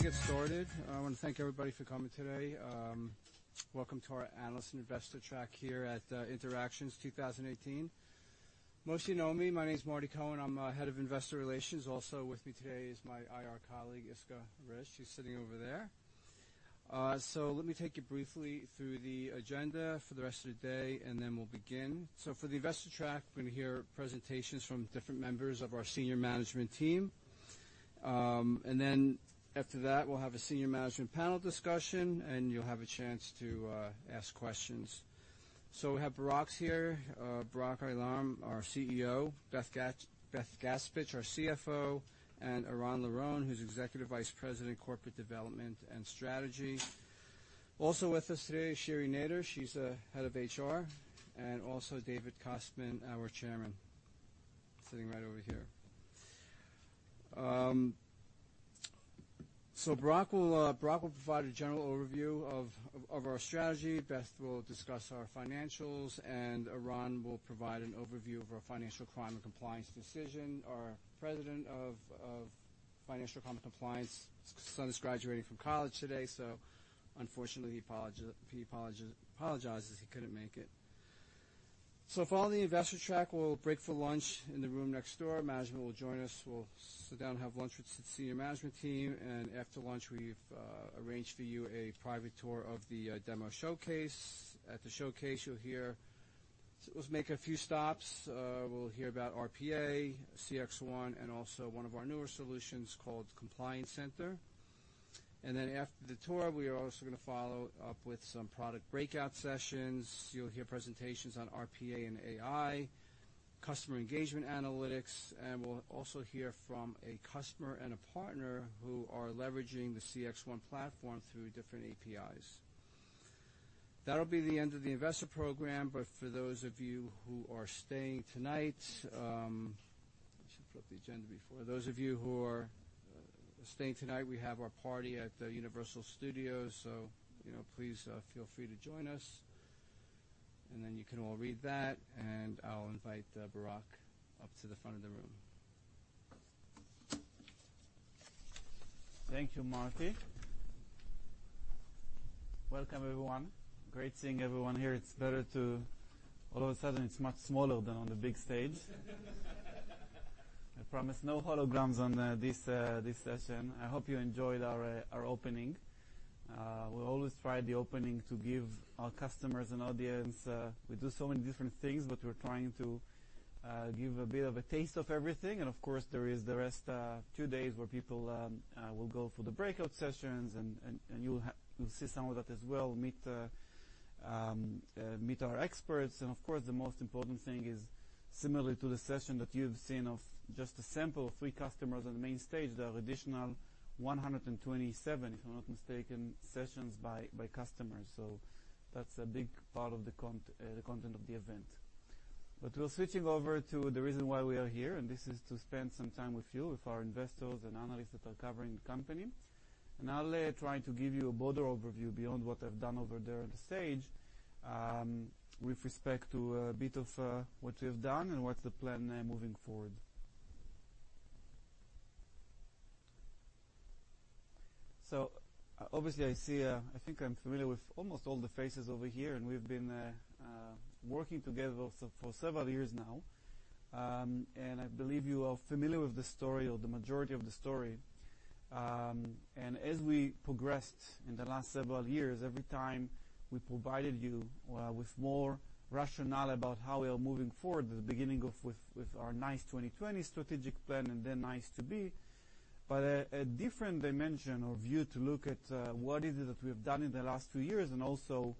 Well, why don't we get started? I wanna thank everybody for coming today. Welcome to our Analyst and Investor Track here at Interactions 2018. Most of you know me. My name's Marty Cohen. I'm Head of Investor Relations. Also with me today is my IR colleague, Yisca Erez. She's sitting over there. Let me take you briefly through the agenda for the rest of the day, and then we'll begin. For the investor track, we're gonna hear presentations from different members of our senior management team. After that, we'll have a senior management panel discussion, and you'll have a chance to ask questions. We have Barak here, Barak Eilam, our CEO, Beth Gaspich, our CFO, and Eran Liron, who's Executive Vice President, Corporate Development and Strategy. Also with us today is Shiri Neder. She's head of HR, and also David Kostman, our chairman, sitting right over here. Barak will provide a general overview of our strategy. Beth will discuss our financials, and Eran will provide an overview of our financial crime and compliance division Our president of financial crime and compliance, son is graduating from college today, unfortunately he apologizes he couldn't make it. Following the investor track, we'll break for lunch in the room next door. Management will join us. We'll sit down and have lunch with senior management team. After lunch, we've arranged for you a private tour of the demo showcase. At the showcase, let's make a few stops. We'll hear about RPA, CXone, and also one of our newer solutions called Compliance Center. After the tour, we are also gonna follow up with some product breakout sessions. You'll hear presentations on RPA and AI, customer engagement analytics, and we'll also hear from a customer and a partner who are leveraging the CXone platform through different APIs. That'll be the end of the investor program. For those of you who are staying tonight, I should flip the agenda before. Those of you who are staying tonight, we have our party at the Universal Studios, so, you know, please feel free to join us. You can all read that, and I'll invite Barak up to the front of the room. Thank you, Marty. Welcome, everyone. Great seeing everyone here. All of a sudden, it's much smaller than on the big stage. I promise no holograms on this session. I hope you enjoyed our opening. We always try the opening to give our customers an audience. We do so many different things, but we're trying to give a bit of a taste of everything. Of course, there is the rest two days where people will go for the breakout sessions, and you'll see some of that as well. Meet our experts. Of course, the most important thing is similarly to the session that you've seen of just a sample of three customers on the main stage, there are additional 127, if I'm not mistaken, sessions by customers. That's a big part of the content of the event. We're switching over to the reason why we are here, and this is to spend some time with you, with our investors and analysts that are covering the company. I'll try to give you a broader overview beyond what I've done over there on the stage, with respect to a bit of what we have done and what's the plan now moving forward. Obviously I see, I think I'm familiar with almost all the faces over here, and we've been working together for several years now. I believe you are familiar with the story or the majority of the story. As we progressed in the last several years, every time we provided you with more rationale about how we are moving forward at the beginning with our NICE 2020 strategic plan and then NICE 2B. A different dimension or view to look at what is it that we have done in the last two years and also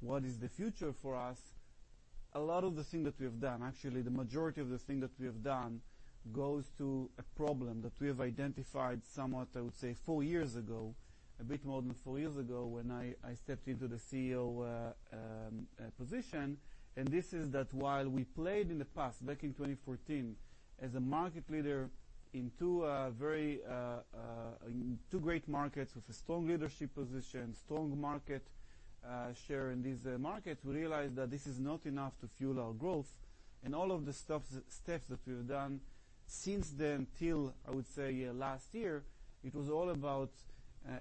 what is the future for us. A lot of the things that we have done, actually the majority of the things that we have done, goes to a problem that we have identified somewhat, I would say four years ago, a bit more than four years ago when I stepped into the CEO position. This is that while we played in the past, back in 2014, as a market leader in two great markets with a strong leadership position, strong market share in these markets, we realized that this is not enough to fuel our growth. All of the steps that we've done since then till, I would say, last year, it was all about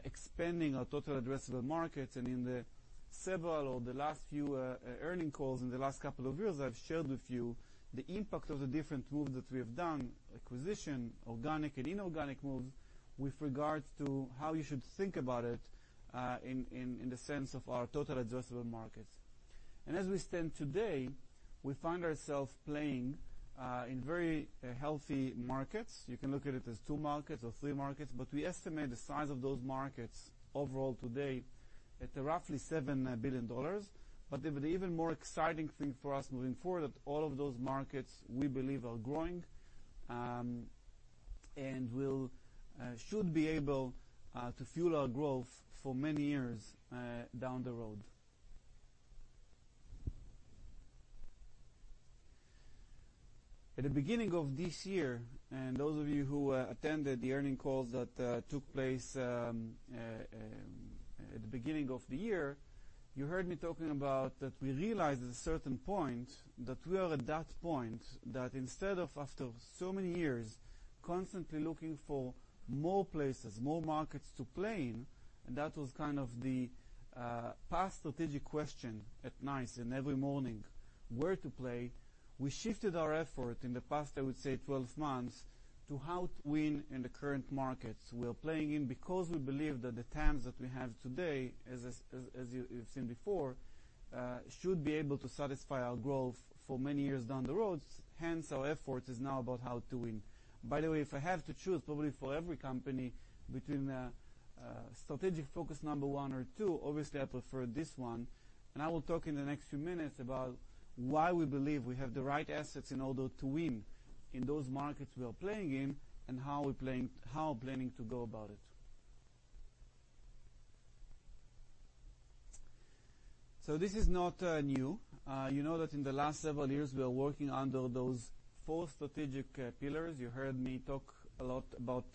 expanding our total addressable markets. In the several or the last few earning calls in the last couple of years, I've shared with you the impact of the different moves that we have done, acquisition, organic and inorganic moves, with regards to how you should think about it, in, in the sense of our total addressable markets. As we stand today, we find ourselves playing in very healthy markets. You can look at it as two markets or three markets, we estimate the size of those markets overall today at roughly $7 billion. The even more exciting thing for us moving forward, that all of those markets we believe are growing, and will should be able to fuel our growth for many years down the road. At the beginning of this year, and those of you who attended the earning calls that took place, you heard me talking about that we realized at a certain point that we are at that point that instead of after so many years constantly looking for more places, more markets to play in, and that was kind of the past strategic question at NICE and every morning where to play. We shifted our effort in the past, I would say 12 months, to how to win in the current markets we are playing in because we believe that the TAMs that we have today, as you've seen before, should be able to satisfy our growth for many years down the road. Hence, our effort is now about how to win. By the way, if I have to choose, probably for every company between the strategic focus number one or two, obviously I prefer this one. I will talk in the next few minutes about why we believe we have the right assets in order to win in those markets we are playing in and how we're planning to go about it. This is not new. You know that in the last several years, we are working under those four strategic pillars. You heard me talk a lot about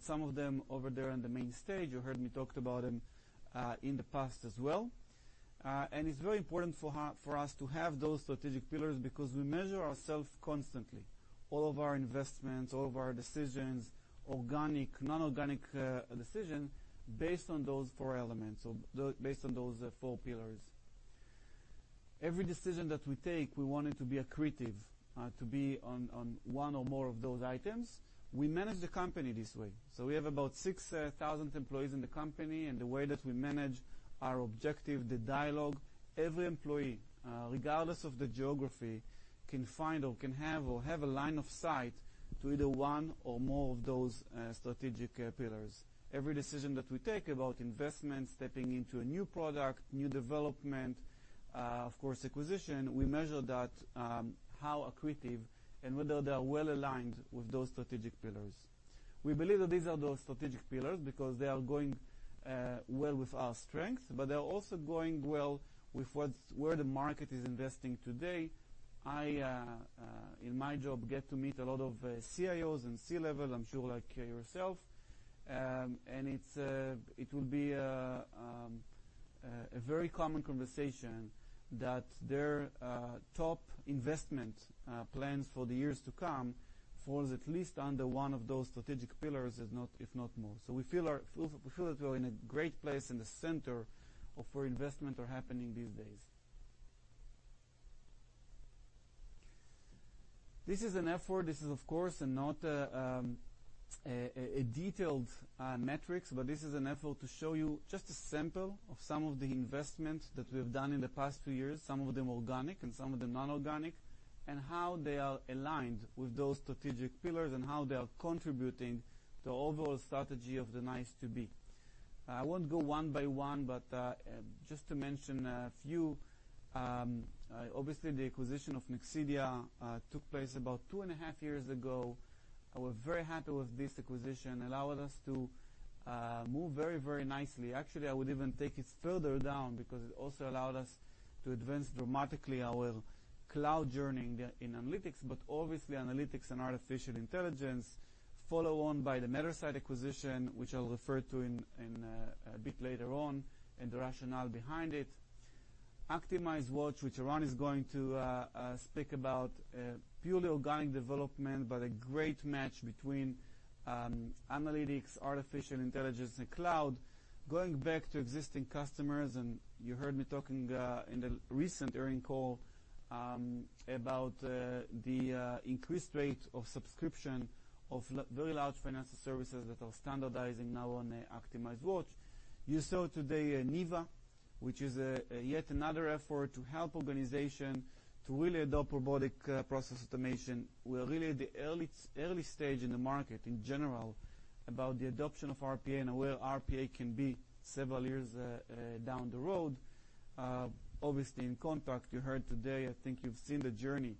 some of them over there on the main stage. You heard me talked about them in the past as well. It's very important for us to have those strategic pillars because we measure ourself constantly. All of our investments, all of our decisions, organic, non-organic, decision based on those four elements or based on those four pillars. Every decision that we take, we want it to be accretive, to be on one or more of those items. We manage the company this way. We have about 6,000 employees in the company, and the way that we manage our objective, the dialogue, every employee, regardless of the geography, can find or have a line of sight to either one or more of those strategic pillars. Every decision that we take about investments, stepping into a new product, new development, of course, acquisition, we measure that, how accretive and whether they are well aligned with those strategic pillars. We believe that these are those strategic pillars because they are going well with our strength, but they're also going well with where the market is investing today. I in my job, get to meet a lot of CIOs and C-level, I'm sure like yourself. It's it will be a very common conversation that their top investment plans for the years to come falls at least under one of those strategic pillars, if not, if not more. We feel that we're in a great place in the center of where investment are happening these days. This is an effort. This is, of course, not a detailed metrics, but this is an effort to show you just a sample of some of the investments that we've done in the past few years, some of them organic and some of them non-organic, and how they are aligned with those strategic pillars and how they are contributing to overall strategy of the NICE 2B. I won't go one by one, but just to mention a few, obviously, the acquisition of Nexidia took place about two and a half years ago. I was very happy with this acquisition. It allowed us to move very, very nicely. I would even take it further down because it also allowed us to advance dramatically our cloud journey in analytics, but obviously analytics and artificial intelligence follow on by the Mattersight acquisition, which I'll refer to a bit later on in the rationale behind it. ActimizeWatch, which Eran is going to speak about, purely organic development, but a great match between analytics, artificial intelligence, and cloud. You heard me talking in the recent earning call about the increased rate of subscription of very large financial services that are standardizing now on ActimizeWatch. You saw today NEVA, which is yet another effort to help organization to really adopt robotic process automation. We're really at the early stage in the market in general about the adoption of RPA and where RPA can be several years down the road. obviously, inContact you heard today, I think you've seen the journey.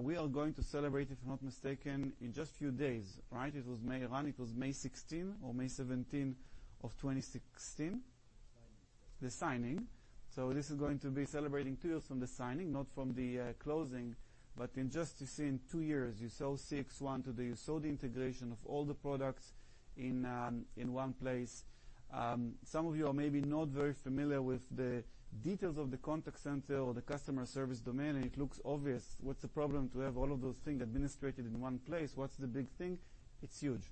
We are going to celebrate, if I'm not mistaken, in just a few days, right? It was May 16 or May 17 of 2016. The signing. This is going to be celebrating two years from the signing, not from the closing. in just you see in two years, you saw CXone today. You saw the integration of all the products in one place. Some of you are maybe not very familiar with the details of the contact center or the customer service domain. It looks obvious what's the problem to have all of those things administered in one place. What's the big thing? It's huge.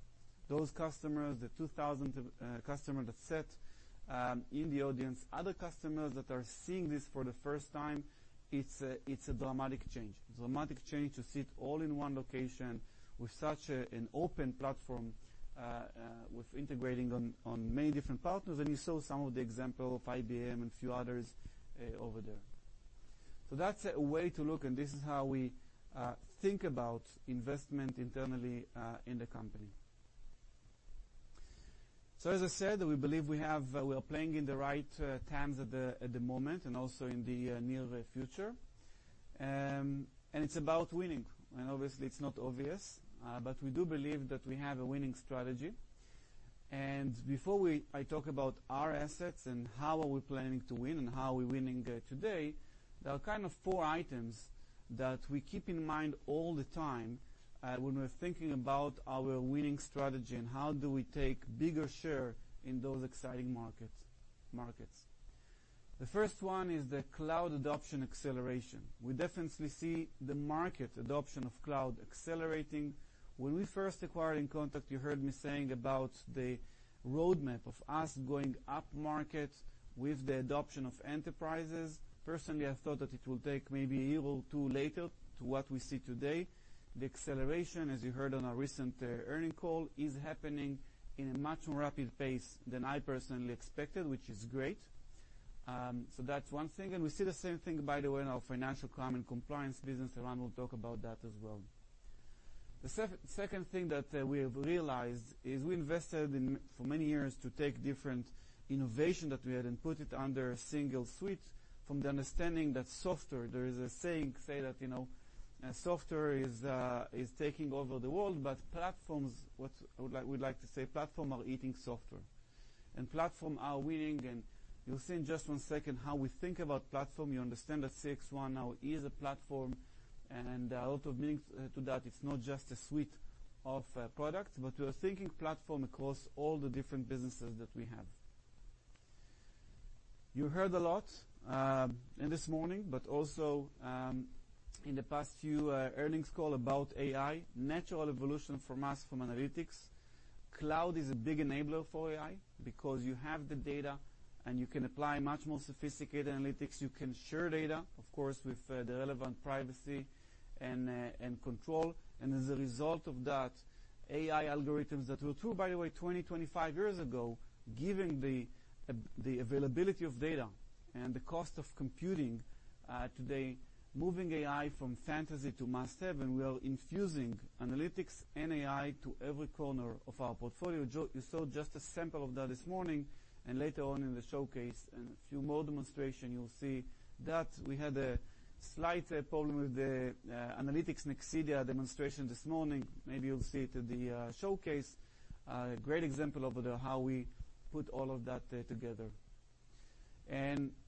Those customers, the 2,000th customer that sat in the audience, other customers that are seeing this for the first time, it's a dramatic change. Dramatic change to sit all in one location with such an open platform with integrating on many different partners. You saw some of the example of IBM and a few others over there. That's a way to look. This is how we think about investment internally in the company. As I said, we believe we are playing in the right TAMs at the moment and also in the near future. It's about winning. Obviously, it's not obvious, but we do believe that we have a winning strategy. Before I talk about our assets and how are we planning to win and how we're winning today, there are kind of four items that we keep in mind all the time when we're thinking about our winning strategy and how do we take bigger share in those exciting markets. The first one is the cloud adoption acceleration. We definitely see the market adoption of cloud accelerating. When we first acquired inContact, you heard me saying about the roadmap of us going upmarket with the adoption of enterprises. Personally, I thought that it will take maybe a year or two later to what we see today. The acceleration, as you heard on our recent earnings call, is happening in a much more rapid pace than I personally expected, which is great. That's one thing. We see the same thing, by the way, in our financial crime and compliance business. Eran will talk about that as well. The second thing that we have realized is we invested for many years to take different innovation that we had and put it under a single suite from the understanding that software, there is a saying, say that, you know, software is taking over the world, but platforms, what we like to say, platforms are eating software. Platform are winning, you'll see in just one second how we think about platform. You understand that CXone now is a platform, and a lot of meaning to that. It's not just a suite of products, but we are thinking platform across all the different businesses that we have. You heard a lot in this morning, but also in the past few earnings call about AI, natural evolution from us from analytics. Cloud is a big enabler for AI because you have the data, and you can apply much more sophisticated analytics. You can share data, of course, with the relevant privacy and control. As a result of that, AI algorithms that were true, by the way, 20, 25 years ago, given the availability of data and the cost of computing, today, moving AI from fantasy to must-have. We are infusing analytics and AI to every corner of our portfolio. You saw just a sample of that this morning, and later on in the showcase and a few more demonstration, you'll see that. We had a slight problem with the analytics Nexidia demonstration this morning. Maybe you'll see it in the showcase. Great example of how we put all of that together.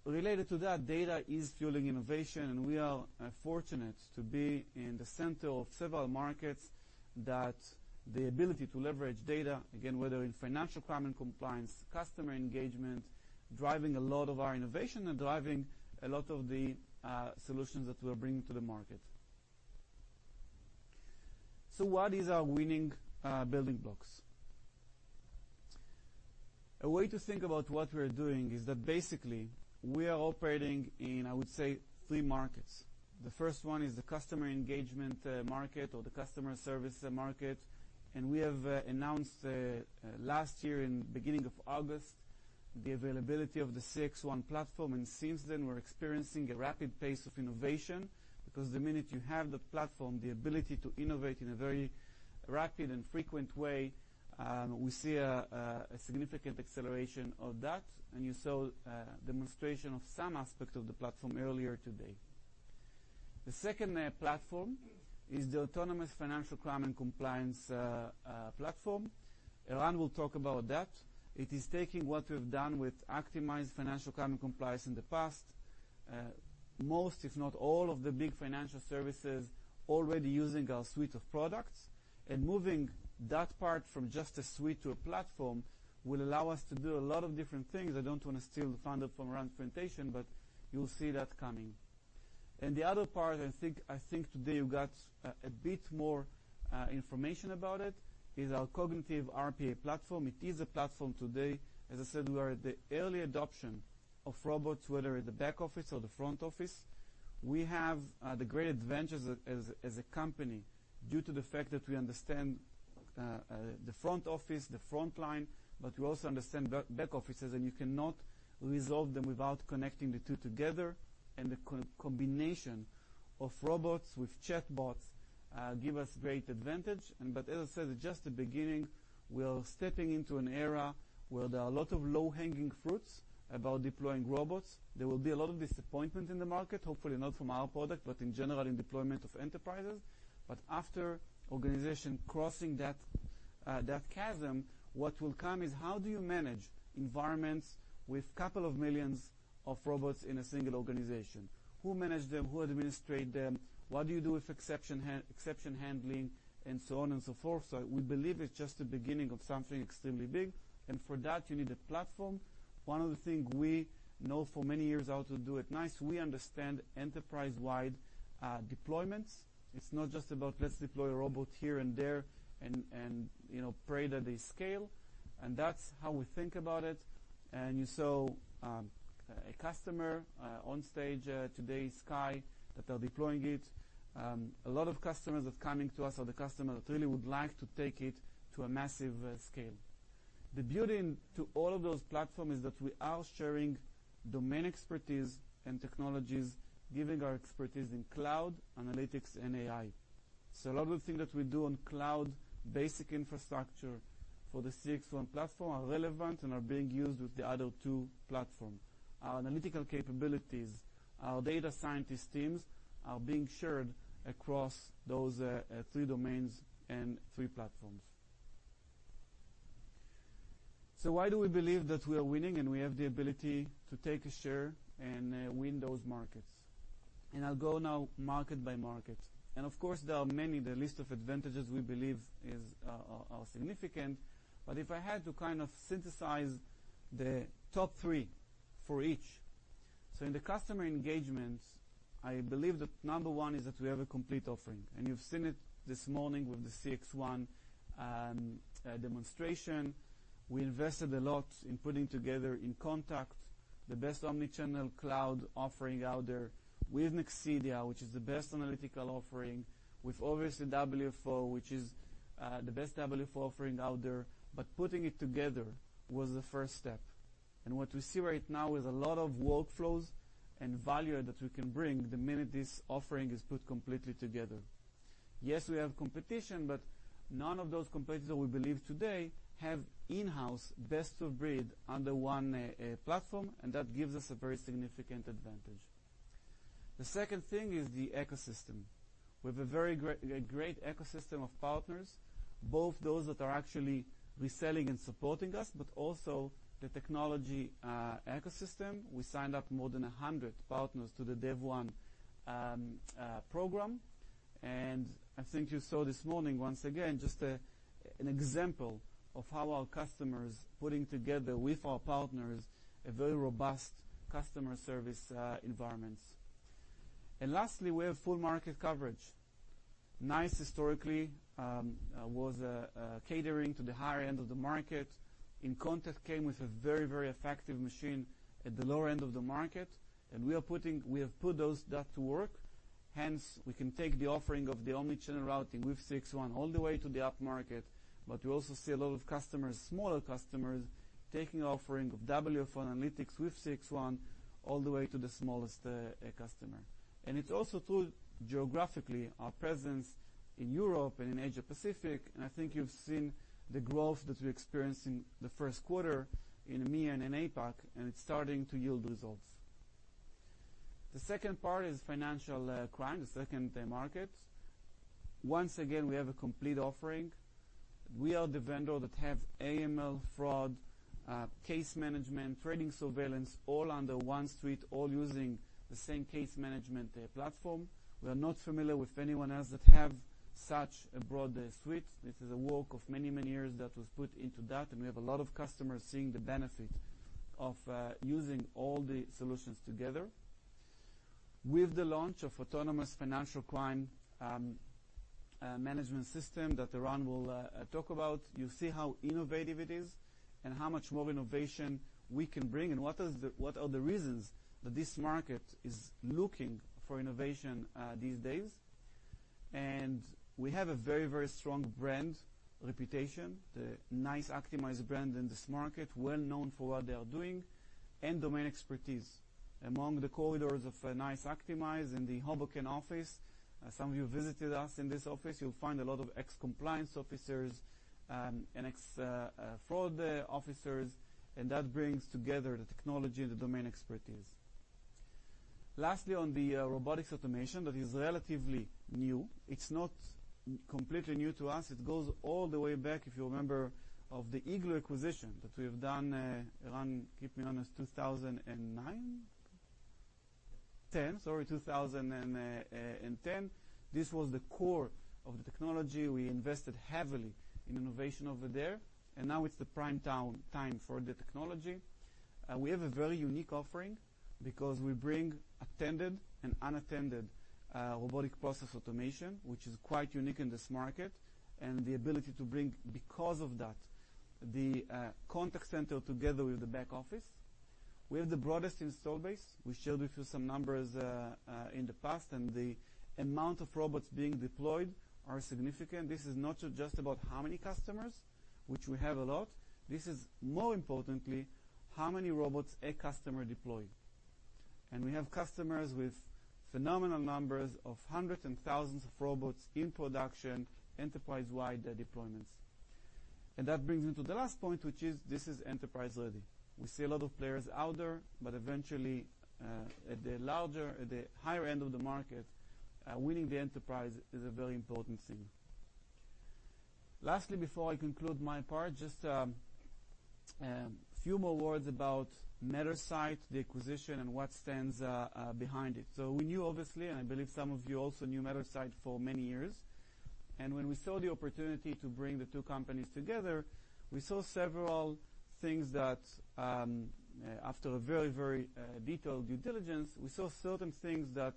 Related to that, data is fueling innovation, and we are fortunate to be in the center of several markets that the ability to leverage data, again, whether in financial crime and compliance, customer engagement, driving a lot of our innovation and driving a lot of the solutions that we're bringing to the market. What is our winning building blocks? A way to think about what we're doing is that basically, we are operating in, I would say, three markets. The first one is the customer engagement market or the customer service market. We have announced last year in beginning of August, the availability of the CXone platform. Since then, we're experiencing a rapid pace of innovation because the minute you have the platform, the ability to innovate in a very rapid and frequent way, we see a significant acceleration of that. You saw a demonstration of some aspect of the platform earlier today. The second platform is the Autonomous Financial Crime and Compliance platform. Eran will talk about that. It is taking what we've done with Actimize financial crime and compliance in the past. Most, if not all of the big financial services already using our suite of products. Moving that part from just a suite to a platform will allow us to do a lot of different things. I don't wanna steal the thunder from Eran's presentation, you'll see that coming. The other part, I think today you got a bit more information about it, is our cognitive RPA platform. It is a platform today. As I said, we are at the early adoption of robots, whether at the back office or the front office. We have the great advantage as a company due to the fact that we understand the front office, the front line, but we also understand back offices, and you cannot resolve them without connecting the two together. The combination of robots with chatbots give us great advantage. But as I said, it's just the beginning. We are stepping into an era where there are a lot of low-hanging fruits about deploying robots. There will be a lot of disappointment in the market, hopefully not from our product, but in general in deployment of enterprises. After organization crossing that chasm, what will come is how do you manage environments with couple of million robots in a single organization? Who manage them, who administrate them? What do you do with exception handling, and so on and so forth. We believe it's just the beginning of something extremely big, and for that, you need a platform. One of the thing we know for many years how to do it NICE, we understand enterprise-wide deployments. It's not just about let's deploy a robot here and there and, you know, pray that they scale. That's how we think about it. You saw a customer on stage today, Sky, that are deploying it. A lot of customers are coming to us, are the customer that really would like to take it to a massive scale. The beauty in to all of those platform is that we are sharing domain expertise and technologies, giving our expertise in cloud, analytics, and AI. A lot of the thing that we do on cloud basic infrastructure for the CXone platform are relevant and are being used with the other two platform. Our analytical capabilities, our data scientist teams are being shared across those three domains and three platforms. Why do we believe that we are winning and we have the ability to take a share and win those markets? I'll go now market by market. Of course, there are many. The list of advantages we believe are significant. If I had to kind of synthesize the top three for each. In the customer engagements, I believe that number one is that we have a complete offering, and you've seen it this morning with the CXone demonstration. We invested a lot in putting together inContact the best omnichannel cloud offering out there with Nexidia which is the best analytical offering with obviously WFO which is the best WFO offering out there. Putting it together was the first step. What we see right now is a lot of workflows and value that we can bring the minute this offering is put completely together. Yes, we have competition, but none of those competitors that we believe today have in-house best of breed under one platform, and that gives us a very significant advantage. The second thing is the ecosystem. We have a great ecosystem of partners, both those that are actually reselling and supporting us, but also the technology ecosystem. We signed up more than 100 partners to the DEVone program. I think you saw this morning, once again, just an example of how our customers putting together with our partners a very robust customer service environments. Lastly, we have full market coverage. NICE historically was catering to the higher end of the market. inContact came with a very effective machine at the lower end of the market, and we have put those that to work. We can take the offering of the omnichannel routing with CXone all the way to the upmarket, but you also see a lot of customers, smaller customers, taking offering of WFO Analytics with CXone all the way to the smallest customer. It's also true geographically, our presence in Europe and in Asia-Pacific. I think you've seen the growth that we experienced in the 1st quarter in EMEA and in APAC, and it's starting to yield results. The second part is financial crime, the second market. Once again, we have a complete offering. We are the vendor that have AML fraud, case management, trading surveillance, all under one suite, all using the same case management platform. We are not familiar with anyone else that have such a broad suite. This is a work of many, many years that was put into that, and we have a lot of customers seeing the benefit of using all the solutions together. With the launch of Autonomous Financial Crime Management system that Eran will talk about, you see how innovative it is and how much more innovation we can bring, and what are the reasons that this market is looking for innovation these days. We have a very, very strong brand reputation. The NICE Actimize brand in this market, well known for what they are doing and domain expertise. Among the corridors of NICE Actimize in the Hoboken office. Some of you visited us in this office. You'll find a lot of ex-compliance officers and ex-fraud officers, and that brings together the technology and the domain expertise. Lastly, on the robotics automation, that is relatively new. It's not completely new to us. It goes all the way back, if you remember, of the eGlue acquisition that we have done, Eran, keep me honest, 2009? Sorry, 2010. This was the core of the technology. We invested heavily in innovation over there, and now it's the prime time for the technology. We have a very unique offering because we bring attended and unattended robotic process automation, which is quite unique in this market, and the ability to bring because of that, the contact center together with the back office. We have the broadest install base. We shared with you some numbers in the past, and the amount of robots being deployed are significant. This is not just about how many customers, which we have a lot. This is more importantly how many robots a customer deployed. We have customers with phenomenal numbers of hundreds and thousands of robots in production, enterprise-wide deployments. That brings me to the last point, which is this is enterprise-ready. We see a lot of players out there, eventually, at the larger, at the higher end of the market, winning the enterprise is a very important thing. Lastly, before I conclude my part, just a few more words about Mattersight, the acquisition, and what stands behind it. We knew, obviously, and I believe some of you also knew Mattersight for many years. When we saw the opportunity to bring the two companies together, we saw several things that, after a very, very detailed due diligence, we saw certain things that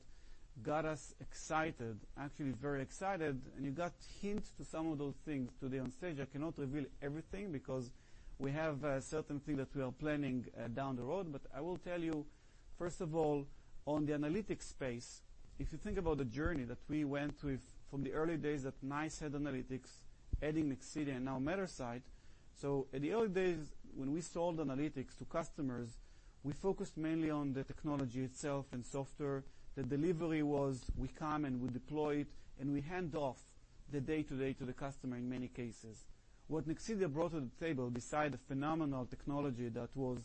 got us excited, actually very excited. You got hints to some of those things today on stage. I cannot reveal everything because we have certain things that we are planning down the road. I will tell you, first of all, on the analytics space, if you think about the journey that we went with from the early days that NICE had analytics, adding Nexidia and now Mattersight. In the early days, when we sold analytics to customers, we focused mainly on the technology itself and software. The delivery was we come, and we deploy it, and we hand off the day-to-day to the customer in many cases. What Nexidia brought to the table, beside the phenomenal technology that was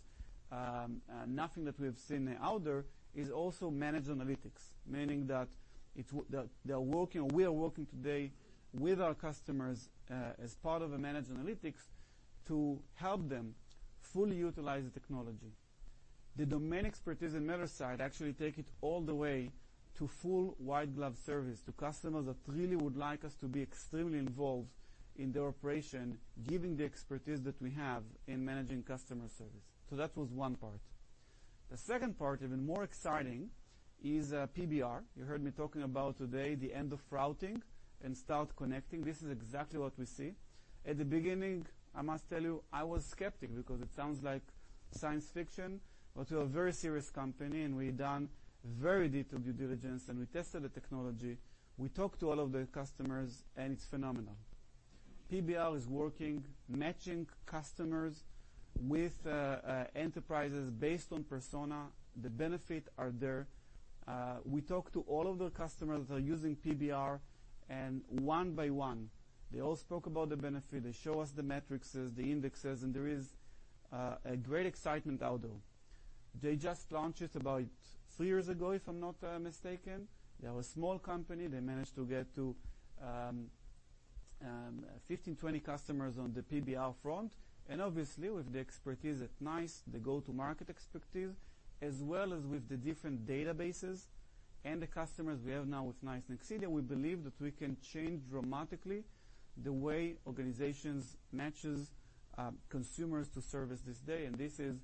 nothing that we have seen out there, is also managed analytics, meaning that we are working today with our customers as part of a managed analytics. To help them fully utilize the technology. The domain expertise in Mattersight actually take it all the way to full white glove service to customers that really would like us to be extremely involved in their operation, giving the expertise that we have in managing customer service. That was one part. The second part, even more exciting, is PBR. You heard me talking about today the end of routing and start connecting. This is exactly what we see. At the beginning, I must tell you, I was skeptic because it sounds like science fiction. We're a very serious company, and we've done very deep due diligence, and we tested the technology. We talked to all of the customers, it's phenomenal. PBR is working, matching customers with enterprises based on persona. The benefit are there. We talked to all of the customers that are using PBR, and one by one, they all spoke about the benefit. They show us the metrics, the indexes, and there is a great excitement out there. They just launched it about three years ago, if I'm not mistaken. They were a small company. They managed to get to 15, 20 customers on the PBR front. Obviously, with the expertise at NICE, the go-to-market expertise, as well as with the different databases and the customers we have now with NICE and Nexidia, we believe that we can change dramatically the way organizations matches consumers to service this day. This is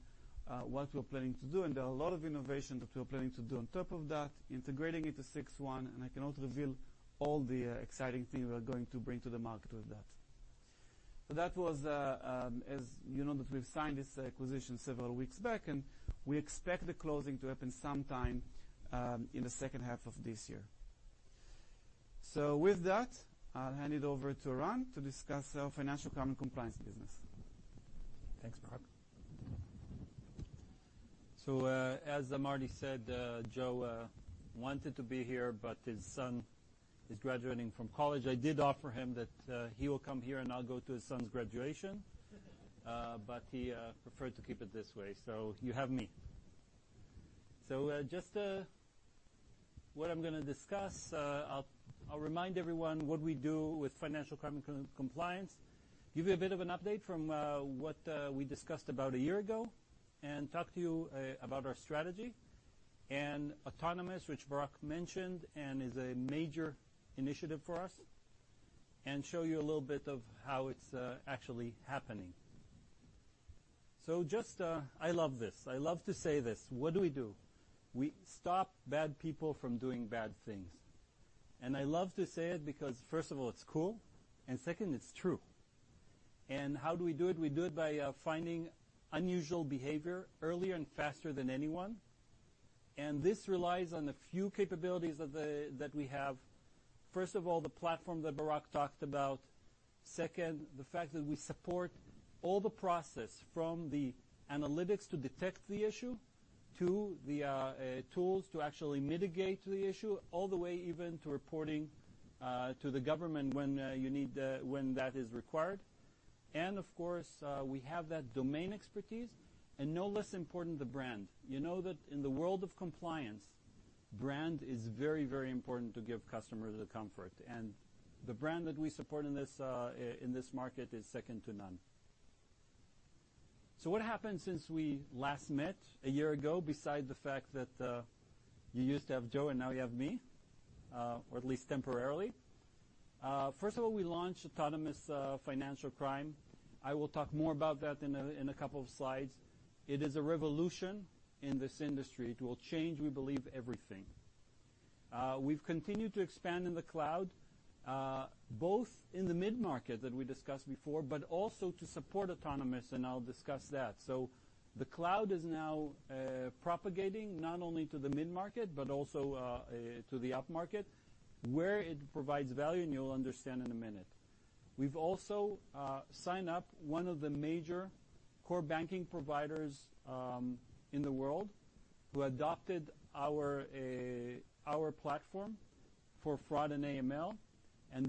what we're planning to do. There are a lot of innovation that we're planning to do on top of that, integrating into CXone, and I can also reveal all the exciting things we're going to bring to the market with that. That was, as you know, that we've signed this acquisition several weeks back, and we expect the closing to happen sometime in the second half of this year. With that, I'll hand it over to Eran to discuss our financial crime and compliance business. Thanks, Barak. As Marty said, Joe wanted to be here, but his son is graduating from college. I did offer him that he will come here, and I'll go to his son's graduation. He preferred to keep it this way. You have me. Just what I'm gonna discuss, I'll remind everyone what we do with financial crime and compliance, give you a bit of an update from what we discussed about one year ago and talk to you about our strategy and Autonomous, which Barak mentioned, and is a major initiative for us, and show you a little bit of how it's actually happening. Just I love this. I love to say this. What do we do? We stop bad people from doing bad things. I love to say it because first of all, it's cool, and second, it's true. How do we do it? We do it by finding unusual behavior earlier and faster than anyone. This relies on a few capabilities that we have. First of all, the platform that Barak talked about. Second, the fact that we support all the process from the analytics to detect the issue to the tools to actually mitigate the issue, all the way even to reporting to the government when that is required. Of course, we have that domain expertise. No less important, the brand. You know that in the world of compliance, brand is very, very important to give customers the comfort. The brand that we support in this in this market is second to none. What happened since we last met a year ago, besides the fact that you used to have Joe and now you have me, or at least temporarily? First of all, we launched Autonomous Financial Crime. I will talk more about that in a couple of slides. It is a revolution in this industry. It will change, we believe, everything. We've continued to expand in the cloud, both in the mid-market that we discussed before, but also to support Autonomous, and I'll discuss that. The cloud is now propagating not only to the mid-market but also to the upmarket, where it provides value, and you'll understand in a minute. We've also signed up one of the major core banking providers in the world who adopted our platform for fraud and AML.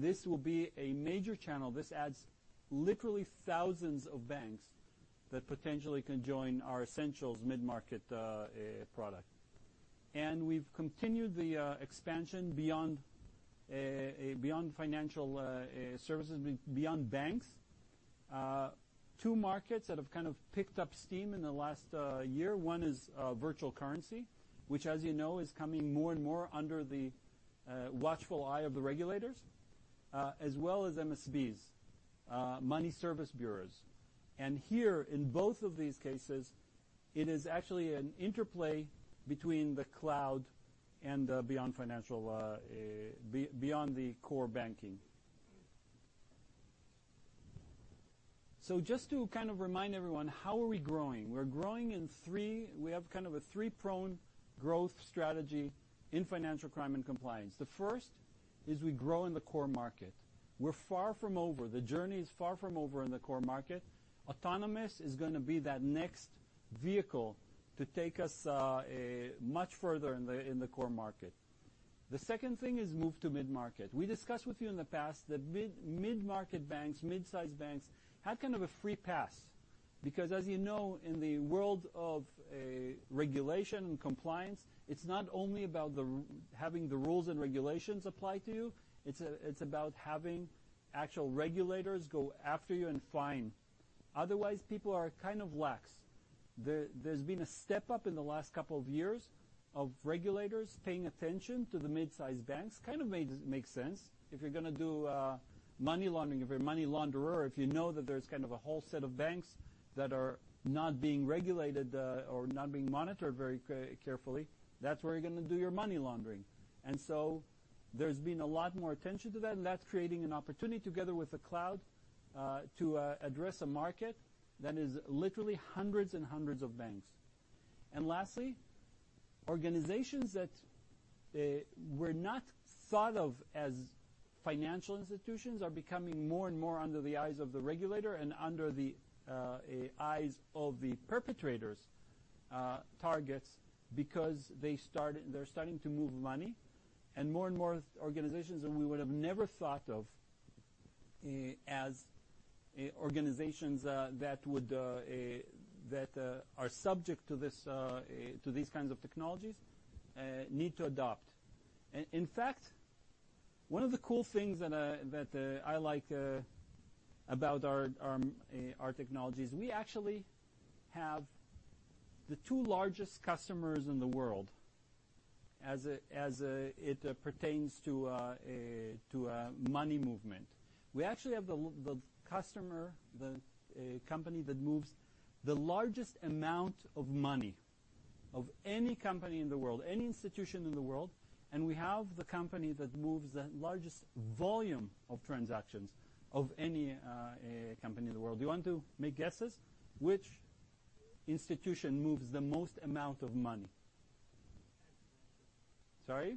This will be a major channel. This adds literally thousands of banks that potentially can join our Essentials mid-market product. We've continued the expansion beyond beyond financial services, beyond banks. Two markets that have kind of picked up steam in the last year, one is virtual currency, which, as you know, is coming more and more under the watchful eye of the regulators, as well as MSBs, Money Service Bureaus. Here, in both of these cases, it is actually an interplay between the cloud and beyond financial beyond the core banking. Just to kind of remind everyone, how are we growing? We have kind of a three-prone growth strategy in financial crime and compliance. The first is we grow in the core market. We're far from over. The journey is far from over in the core market. Autonomous is gonna be that next vehicle to take us much further in the core market. The second thing is move to mid-market. We discussed with you in the past that mid-market banks, mid-sized banks had kind of a free pass. Because as you know, in the world of regulation and compliance, it's not only about having the rules and regulations apply to you, it's about having actual regulators go after you and fine. Otherwise, people are kind of lax. There's been a step up in the last couple of years of regulators paying attention to the mid-sized banks. Kind of makes sense. If you're gonna do money laundering, if you're a money launderer, if you know that there's kind of a whole set of banks that are not being regulated or not being monitored very carefully, that's where you're gonna do your money laundering. There's been a lot more attention to that, and that's creating an opportunity together with the cloud to address a market that is literally hundreds and hundreds of banks. Lastly, organizations that were not thought of as financial institutions are becoming more and more under the eyes of the regulator and under the eyes of the perpetrators' targets because they're starting to move money and more and more organizations than we would have never thought of as organizations that would that are subject to these kinds of technologies need to adopt. In fact, one of the cool things that I that I like about our technologies, we actually have the two largest customers in the world as it as it pertains to money movement. We actually have the customer, the company that moves the largest amount of money of any company in the world, any institution in the world, and we have the company that moves the largest volume of transactions of any company in the world. Do you want to make guesses which institution moves the most amount of money? Sorry?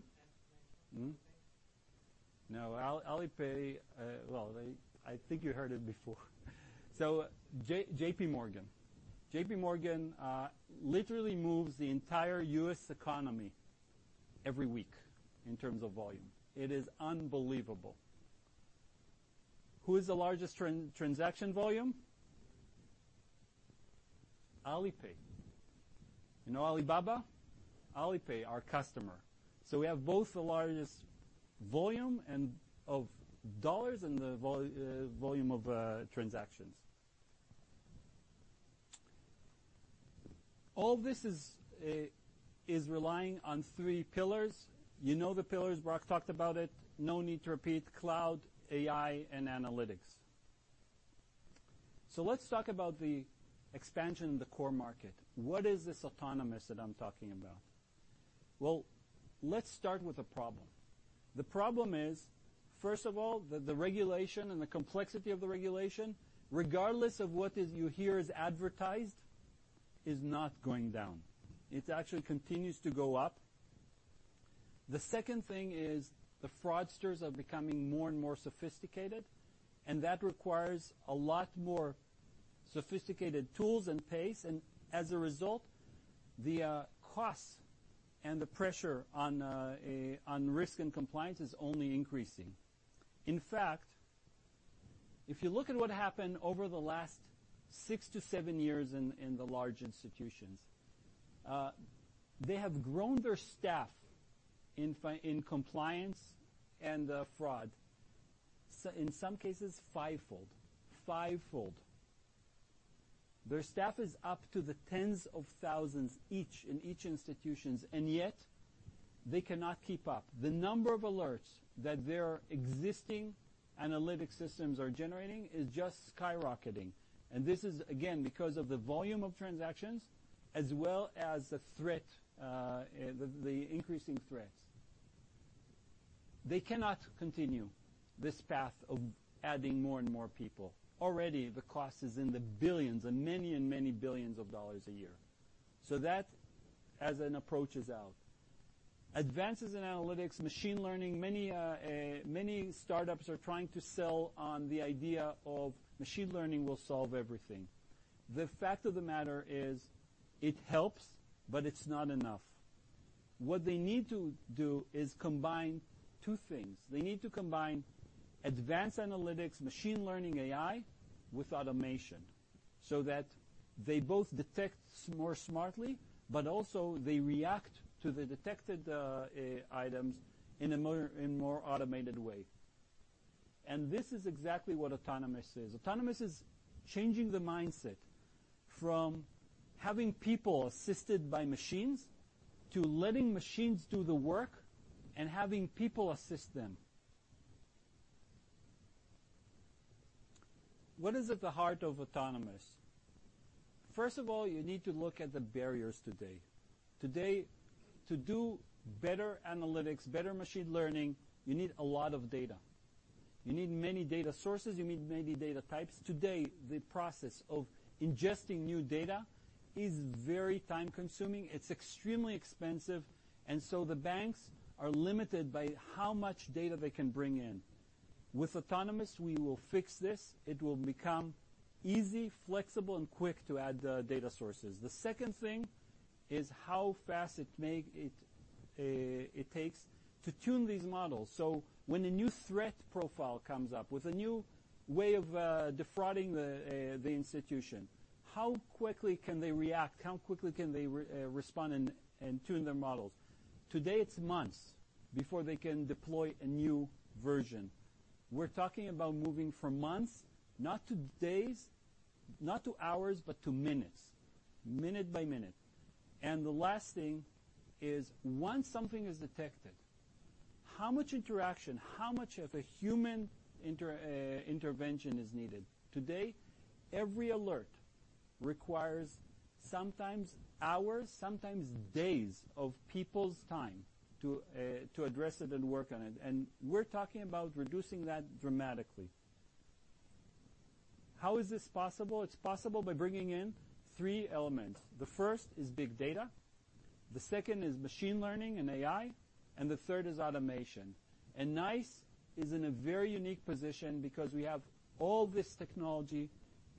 No. Alipay. Well, I think you heard it before. JPMorgan. JPMorgan literally moves the entire U.S. economy every week in terms of volume. It is unbelievable. Who is the largest transaction volume? Alipay. You know Alibaba? Alipay, our customer. We have both the largest volume and of dollars and the volume of transactions. All this is relying on three pillars. You know the pillars. Barak talked about it. No need to repeat. Cloud, AI, and analytics. Let's talk about the expansion in the core market. What is this autonomous that I'm talking about? Let's start with a problem. The problem is, first of all, the regulation and the complexity of the regulation, regardless of what is you hear is advertised, is not going down. It actually continues to go up. The second thing is the fraudsters are becoming more and more sophisticated, and that requires a lot more sophisticated tools and pace, and as a result, the costs and the pressure on risk and compliance is only increasing. In fact, if you look at what happened over the last six to seven years in the large institutions, they have grown their staff in compliance and fraud. In some cases fivefold. Fivefold. Their staff is up to the tens of thousands each in each institutions, yet they cannot keep up. The number of alerts that their existing analytic systems are generating is just skyrocketing. This is again, because of the volume of transactions as well as the threat, the increasing threats. They cannot continue this path of adding more and more people. Already, the cost is in the billions and many billions of dollars a year. That as an approach is out. Advances in analytics, machine learning, many startups are trying to sell on the idea of machine learning will solve everything. The fact of the matter is it helps, but it's not enough. What they need to do is combine two things. They need to combine advanced analytics, machine learning AI with automation so that they both detect more smartly, but also they react to the detected items in a more automated way. This is exactly what autonomous is. Autonomous is changing the mindset from having people assisted by machines to letting machines do the work and having people assist them. What is at the heart of autonomous? First of all, you need to look at the barriers today. Today, to do better analytics, better machine learning, you need a lot of data. You need many data sources. You need many data types. Today, the process of ingesting new data is very time-consuming. It's extremely expensive, the banks are limited by how much data they can bring in. With Autonomous, we will fix this. It will become easy, flexible, and quick to add data sources. The second thing is how fast it takes to tune these models. When a new threat profile comes up with a new way of defrauding the institution, how quickly can they react? How quickly can they respond and tune their models? Today, it's months before they can deploy a new version. We're talking about moving from months, not to days, not to hours, but to minutes, minute by minute. The last thing is once something is detected, how much interaction, how much of a human intervention is needed? Today, every alert requires sometimes hours, sometimes days of people's time to address it and work on it, and we're talking about reducing that dramatically. How is this possible? It's possible by bringing in three elements. The first is big data, the second is machine learning and AI, and the third is automation. NICE is in a very unique position because we have all this technology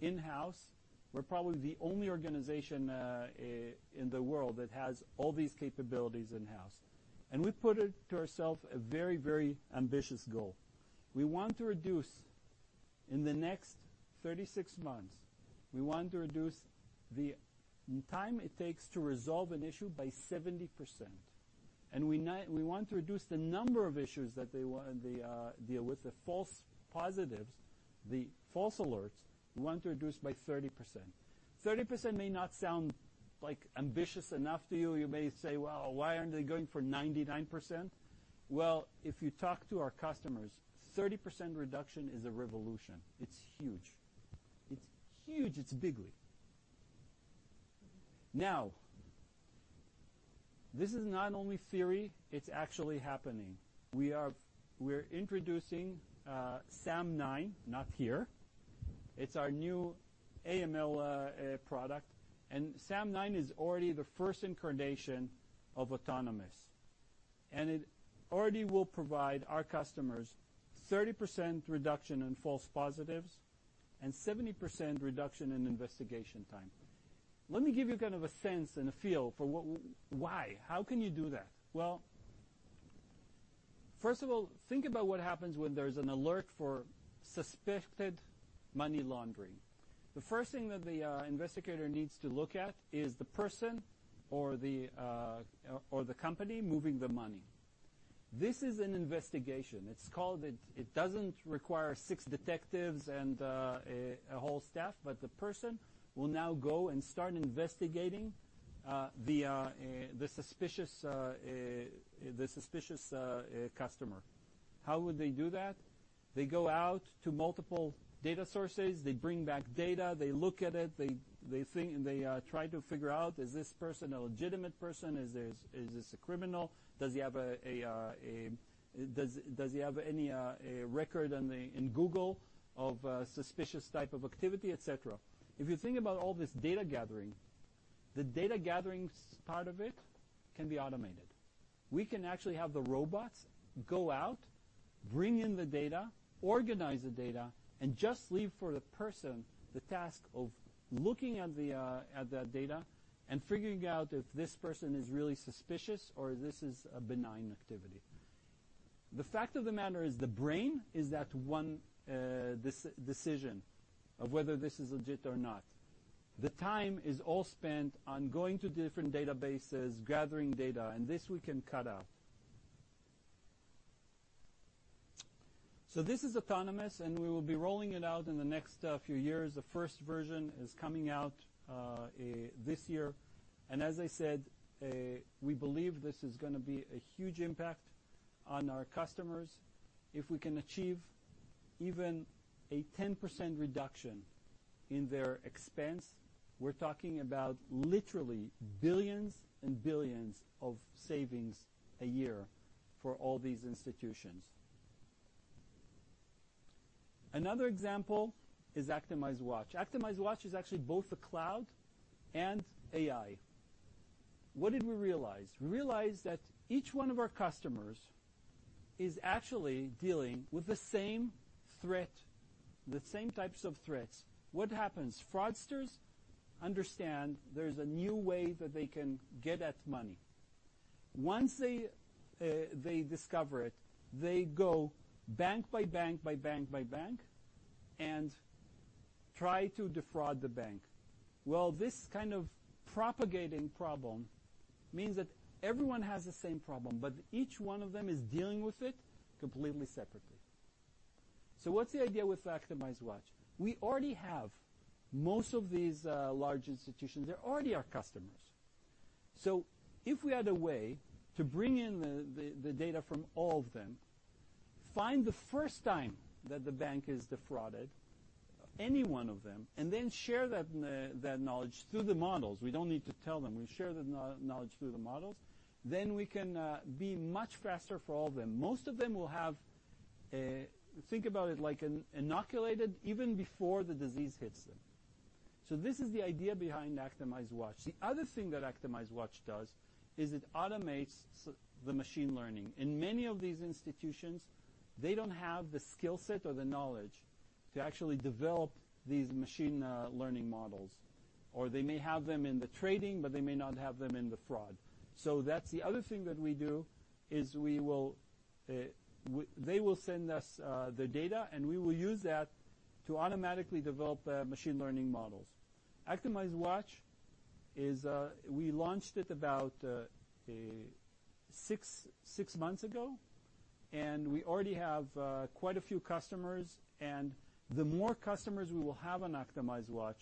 in-house. We're probably the only organization in the world that has all these capabilities in-house. We've put it to ourself a very, very ambitious goal. We want to reduce In the next 36 months, we want to reduce the time it takes to resolve an issue by 70%, and we want to reduce the number of issues that they deal with, the false positives, the false alerts, we want to reduce by 30%. 30% may not sound like ambitious enough to you. You may say, "Well, why aren't they going for 99%?" Well, if you talk to our customers, 30% reduction is a revolution. It's huge. It's bigly. This is not only theory, it's actually happening. We're introducing SAM 9, not here. It's our new AML product, and SAM 9 is already the first incarnation of autonomous, and it already will provide our customers 30% reduction in false positives and 70% reduction in investigation time. Let me give you kind of a sense and a feel for why? How can you do that? Well, first of all, think about what happens when there's an alert for suspected money laundering. The first thing that the investigator needs to look at is the person or the company moving the money. This is an investigation. It doesn't require six detectives and a whole staff, but the person will now go and start investigating the suspicious customer. How would they do that? They go out to multiple data sources. They bring back data. They look at it. They think, and they try to figure out, is this person a legitimate person? Is this a criminal? Does he have any record in Google of a suspicious type of activity, et cetera. If you think about all this data gathering, the data gathering part of it can be automated. We can actually have the robots go out, bring in the data, organize the data, and just leave for the person the task of looking at the data and figuring out if this person is really suspicious or this is a benign activity. The fact of the matter is the brain is that one decision of whether this is legit or not. The time is all spent on going to different databases, gathering data, and this we can cut out. This is autonomous, and we will be rolling it out in the next few years. The first version is coming out this year, and as I said, we believe this is gonna be a huge impact on our customers. If we can achieve even a 10% reduction in their expense, we're talking about literally billions and billions of savings a year for all these institutions. Another example is ActimizeWatch. ActimizeWatch is actually both a cloud and AI. What did we realize? We realized that each one of our customers is actually dealing with the same threat, the same types of threats. What happens? Fraudsters understand there's a new way that they can get at money. Once they discover it, they go bank by bank by bank by bank and try to defraud the bank. Well, this kind of propagating problem means that everyone has the same problem, but each one of them is dealing with it completely separately. What's the idea with ActimizeWatch? We already have most of these large institutions. They're already our customers. If we had a way to bring in the data from all of them, find the first time that the bank is defrauded, any one of them, and then share that knowledge through the models, we don't need to tell them. We share the knowledge through the models, we can be much faster for all of them. Most of them will have, think about it like inoculated even before the disease hits them. This is the idea behind ActimizeWatch. The other thing that ActimizeWatch does is it automates the machine learning. In many of these institutions, they don't have the skill set or the knowledge to actually develop these machine learning models. They may have them in the trading, but they may not have them in the fraud. That's the other thing that we do is we will, they will send us the data, and we will use that to automatically develop machine learning models. ActimizeWatch is, we launched it about six months ago, and we already have quite a few customers. The more customers we will have on ActimizeWatch,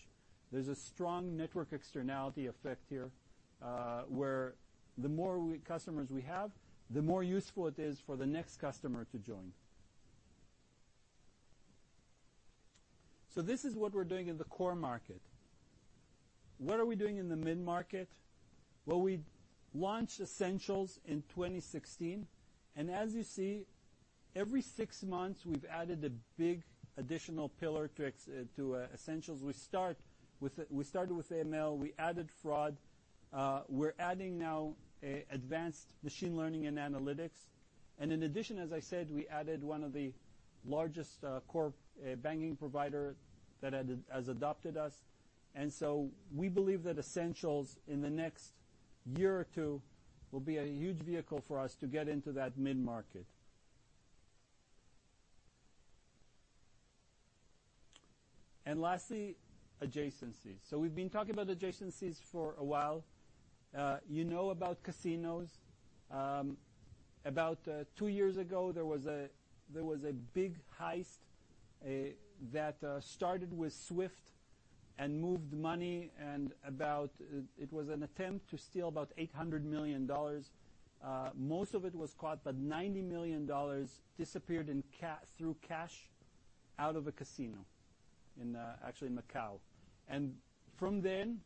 there's a strong network externality effect here, where the more customers we have, the more useful it is for the next customer to join. This is what we're doing in the core market. What are we doing in the mid-market? We launched Essentials in 2016, and as you see, every six months, we've added a big additional pillar to Essentials. We started with AML. We added fraud. We're adding now, advanced machine learning and analytics. In addition, as I said, we added one of the largest, core banking provider that has adopted us. We believe that Essentials in the next year or two will be a huge vehicle for us to get into that mid-market. Lastly, adjacencies. We've been talking about adjacencies for a while. You know about casinos. About two years ago, there was a big heist that started with SWIFT and moved money. It was an attempt to steal about $800 million. Most of it was caught, but $90 million disappeared through cash out of a casino in, actually Macau. From then,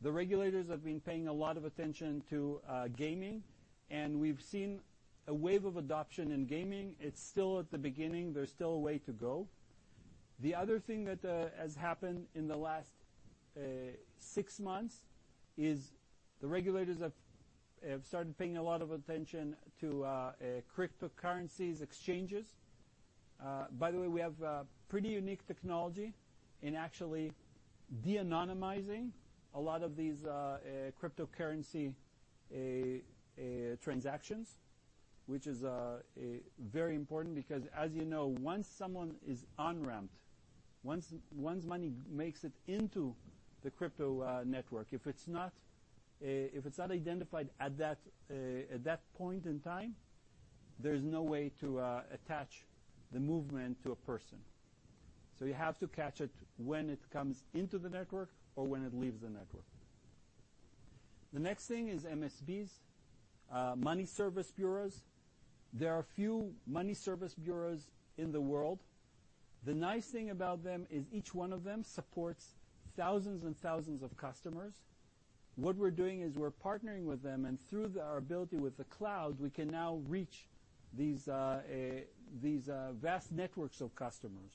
the regulators have been paying a lot of attention to gaming, and we've seen a wave of adoption in gaming. It's still at the beginning. There's still a way to go. The other thing that has happened in the last six months is the regulators have started paying a lot of attention to cryptocurrencies exchanges. By the way, we have a pretty unique technology in actually de-anonymizing a lot of these cryptocurrency transactions, which is very important because as you know, once someone is on-ramped, once money makes it into the crypto network, if it's not, if it's not identified at that point in time, there's no way to attach the movement to a person. You have to catch it when it comes into the network or when it leaves the network. The next thing is MSBs, Money Service Bureaus. There are few Money Service Bureaus in the world. The nice thing about them is each one of them supports thousands and thousands of customers. What we're doing is we're partnering with them, through our ability with the cloud, we can now reach these vast networks of customers.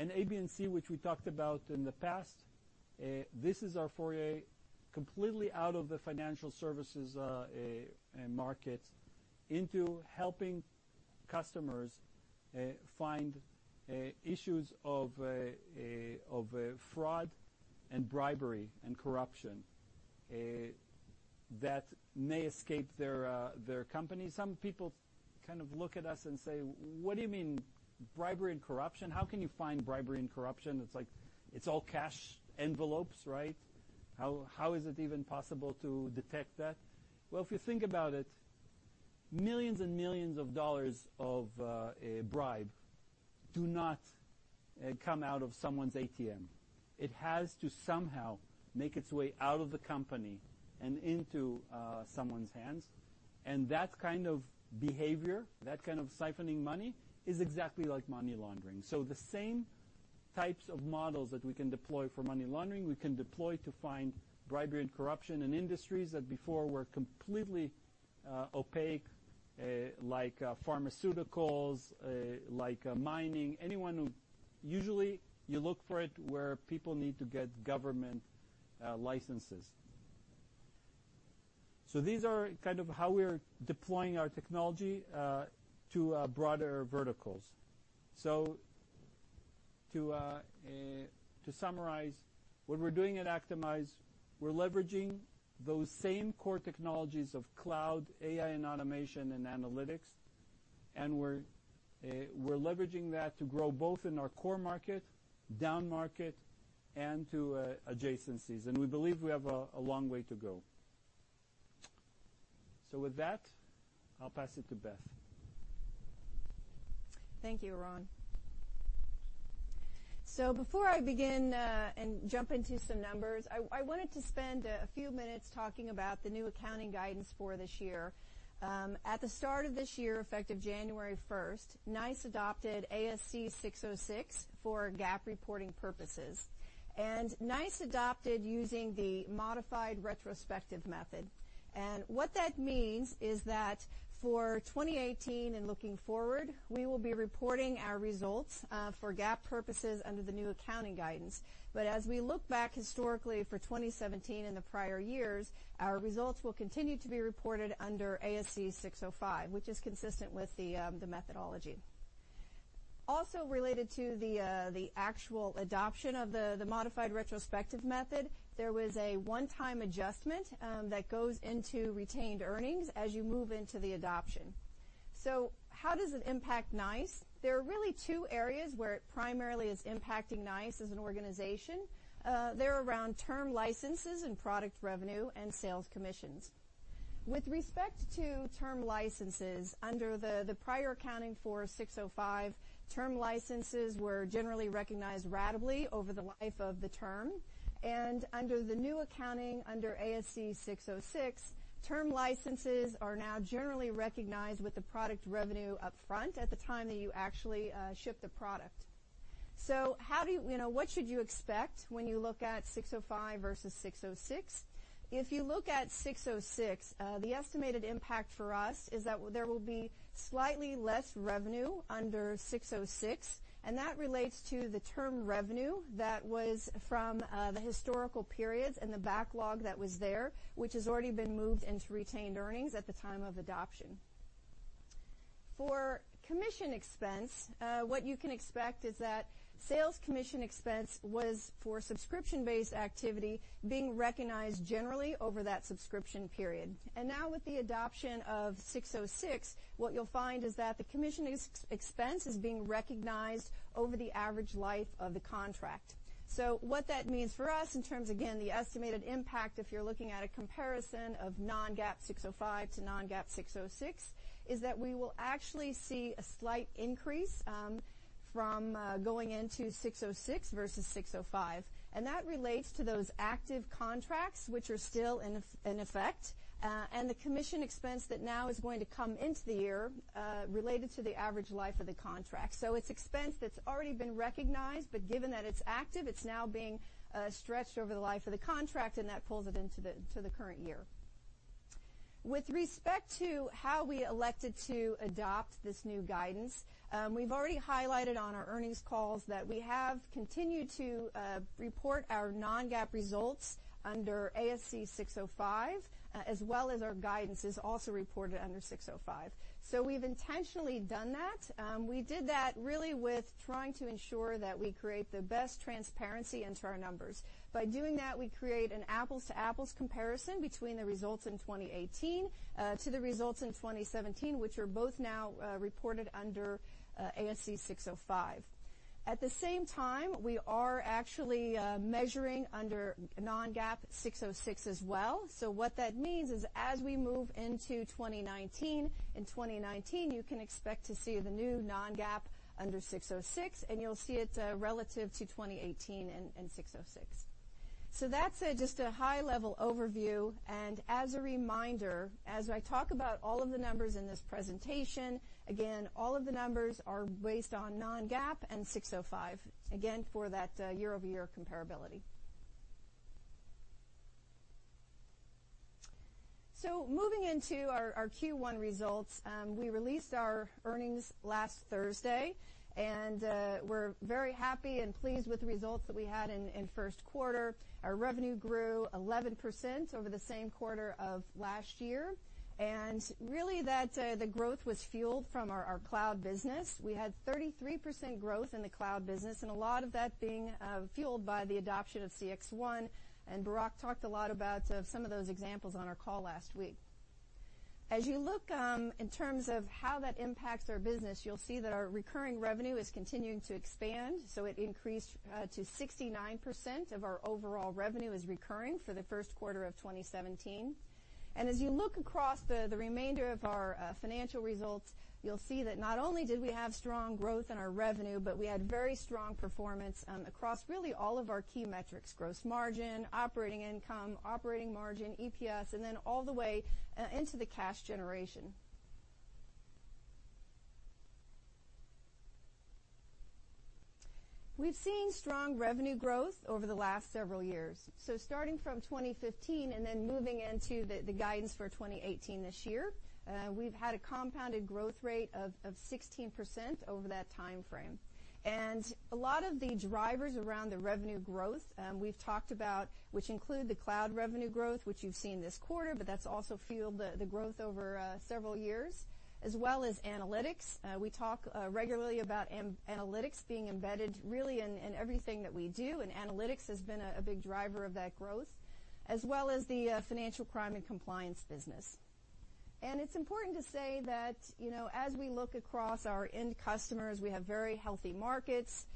ABC, which we talked about in the past, this is our foray completely out of the financial services market into helping customers find issues of fraud and bribery and corruption that may escape their company. Some people kind of look at us and say, "What do you mean bribery and corruption? How can you find bribery and corruption? It's like it's all cash envelopes, right? How is it even possible to detect that? Well, if you think about it, millions and millions of dollars of a bribe do not come out of someone's ATM. It has to somehow make its way out of the company and into someone's hands. That kind of behavior, that kind of siphoning money is exactly like money laundering. The same types of models that we can deploy for money laundering, we can deploy to find bribery and corruption in industries that before were completely opaque, like pharmaceuticals, like mining. Usually, you look for it where people need to get government licenses. These are kind of how we are deploying our technology to broader verticals. To summarize, what we're doing at Actimize, we're leveraging those same core technologies of cloud, AI and automation, and analytics, and we're leveraging that to grow both in our core market, downmarket, and to adjacencies. We believe we have a long way to go. With that, I'll pass it to Beth. Thank you, Eran. Before I begin, and jump into some numbers, I wanted to spend a few minutes talking about the new accounting guidance for this year. At the start of this year, effective January 1st, NICE adopted ASC 606 for GAAP reporting purposes. NICE adopted using the modified retrospective method. What that means is that for 2018 and looking forward, we will be reporting our results for GAAP purposes under the new accounting guidance. As we look back historically for 2017 and the prior years, our results will continue to be reported under ASC 605, which is consistent with the methodology. Also related to the actual adoption of the modified retrospective method, there was a one-time adjustment that goes into retained earnings as you move into the adoption. How does it impact NICE? There are really two areas where it primarily is impacting NICE as an organization. They're around term licenses and product revenue and sales commissions. With respect to term licenses, under the prior accounting for ASC 605, term licenses were generally recognized ratably over the life of the term. Under the new accounting, under ASC 606, term licenses are now generally recognized with the product revenue up front at the time that you actually ship the product. You know, what should you expect when you look at 605 versus 606? If you look at 606, the estimated impact for us is that there will be slightly less revenue under 606, and that relates to the term revenue that was from the historical periods and the backlog that was there, which has already been moved into retained earnings at the time of adoption. For commission expense, what you can expect is that sales commission expense was for subscription-based activity being recognized generally over that subscription period. Now with the adoption of 606, what you'll find is that the commission expense is being recognized over the average life of the contract. What that means for us in terms, again, the estimated impact if you're looking at a comparison of non-GAAP 605 to non-GAAP 606, is that we will actually see a slight increase from going into 606 versus 605, and that relates to those active contracts which are still in effect, and the commission expense that now is going to come into the year related to the average life of the contract. It's expense that's already been recognized, but given that it's active, it's now being stretched over the life of the contract, and that pulls it into the current year. With respect to how we elected to adopt this new guidance, we've already highlighted on our earnings calls that we have continued to report our non-GAAP results under ASC 605, as well as our guidance is also reported under 605. We've intentionally done that. We did that really with trying to ensure that we create the best transparency into our numbers. By doing that, we create an apples-to-apples comparison between the results in 2018 to the results in 2017, which are both now reported under ASC 605. At the same time, we are actually measuring under non-GAAP 606 as well. What that means is as we move into 2019, in 2019 you can expect to see the new non-GAAP under ASC 606, and you'll see it relative to 2018 and ASC 606. That's just a high-level overview. As a reminder, as I talk about all of the numbers in this presentation, again, all of the numbers are based on non-GAAP and ASC 605, again, for that year-over-year comparability. Moving into our Q1 results, we released our earnings last Thursday, and we're very happy and pleased with the results that we had in first quarter. Our revenue grew 11% over the same quarter of last year. Really that the growth was fueled from our cloud business. We had 33% growth in the cloud business, and a lot of that being fueled by the adoption of CXone, and Barak talked a lot about some of those examples on our call last week. As you look in terms of how that impacts our business, you'll see that our recurring revenue is continuing to expand, it increased to 69% of our overall revenue is recurring for the first quarter of 2017. As you look across the remainder of our financial results, you'll see that not only did we have strong growth in our revenue, but we had very strong performance across really all of our key metrics, gross margin, operating income, operating margin, EPS, and then all the way into the cash generation. We've seen strong revenue growth over the last several years. Starting from 2015 and then moving into the guidance for 2018 this year, we've had a compounded growth rate of 16% over that time frame. A lot of the drivers around the revenue growth, we've talked about, which include the cloud revenue growth, which you've seen this quarter, but that's also fueled the growth over several years, as well as analytics. We talk regularly about analytics being embedded really in everything that we do, and analytics has been a big driver of that growth, as well as the financial crime and compliance business. It's important to say that, you know, as we look across our end customers, we have very healthy markets,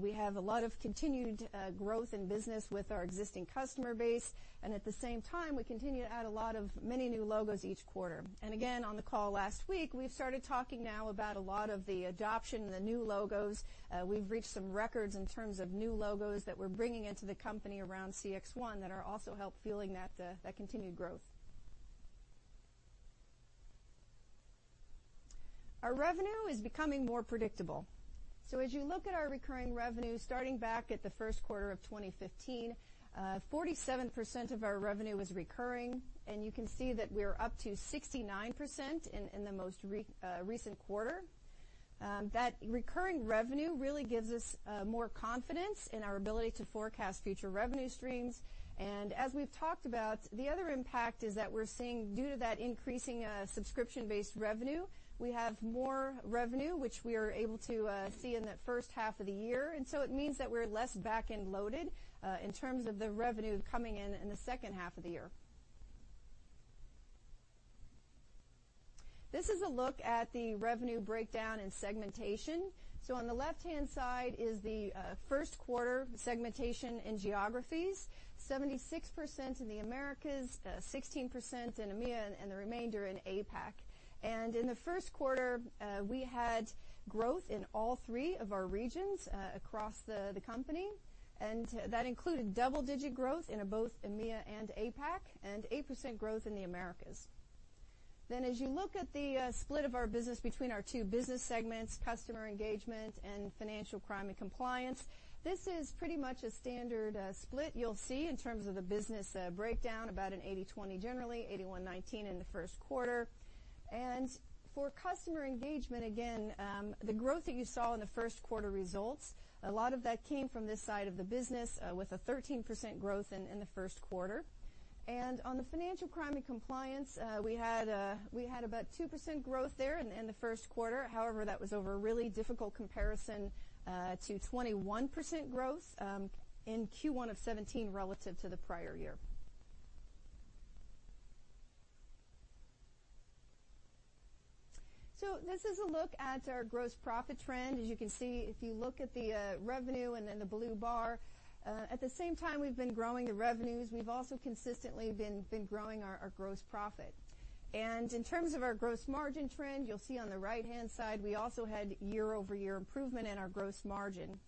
we have a lot of continued growth in business with our existing customer base, and at the same time, we continue to add a lot of many new logos each quarter. Again, on the call last week, we've started talking now about a lot of the adoption and the new logos. We've reached some records in terms of new logos that we're bringing into the company around CXone that are also help fueling that continued growth. Our revenue is becoming more predictable. As you look at our recurring revenue, starting back at the first quarter of 2015, 47% of our revenue was recurring, and you can see that we're up to 69% in the most recent quarter. That recurring revenue really gives us more confidence in our ability to forecast future revenue streams. As we've talked about, the other impact is that we're seeing due to that increasing subscription-based revenue, we have more revenue which we are able to see in that first half of the year. It means that we're less back-end loaded in terms of the revenue coming in in the second half of the year. This is a look at the revenue breakdown and segmentation. On the left-hand side is the first quarter segmentation and geographies. 76% in the Americas, 16% in EMEA, the remainder in APAC. In the first quarter, we had growth in all three of our regions across the company. That included double-digit growth in both EMEA and APAC, and 8% growth in the Americas. As you look at the split of our business between our two business segments, Customer Engagement and Financial Crime and Compliance, this is pretty much a standard split you'll see in terms of the business breakdown about an 80/20 generally, 81/19 in the first quarter. For Customer Engagement, again, the growth that you saw in the first quarter results, a lot of that came from this side of the business, with a 13% growth in the first quarter. On the financial crime and compliance, we had about 2% growth there in the first quarter. That was over a really difficult comparison to 21% growth in Q1 of 2017 relative to the prior year. This is a look at our gross profit trend. As you can see, if you look at the revenue and then the blue bar, at the same time we've been growing the revenues, we've also consistently been growing our gross profit. In terms of our gross margin trend, you'll see on the right-hand side, we also had year-over-year improvement in our gross margin.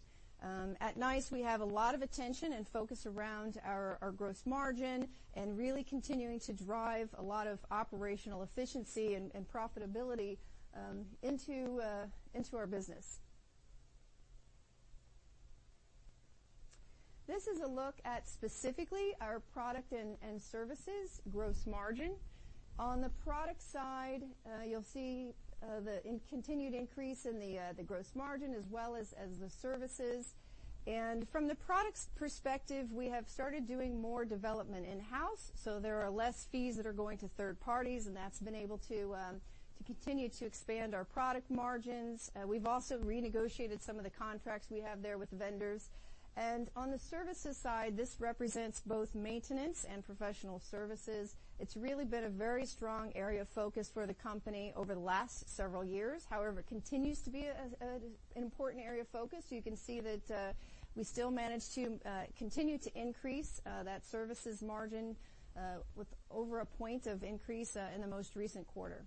At NICE, we have a lot of attention and focus around our gross margin and really continuing to drive a lot of operational efficiency and profitability into our business. This is a look at specifically our product and services gross margin. On the product side, you'll see the continued increase in the gross margin as well as the services. From the products perspective, we have started doing more development in-house, so there are less fees that are going to third parties, and that's been able to continue to expand our product margins. We've also renegotiated some of the contracts we have there with vendors. On the services side, this represents both maintenance and professional services. It's really been a very strong area of focus for the company over the last several years. However, it continues to be an important area of focus. You can see that we still manage to continue to increase that services margin with over a point of increase in the most recent quarter.